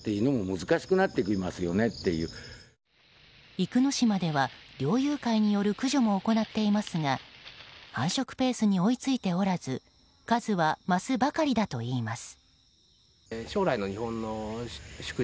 生野島では猟友会による駆除も行っていますが繁殖ペースに追い付いておらず数は増すばかりだといいます。